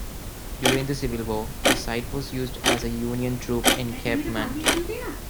During the Civil War, the site was used as a Union troop encampment.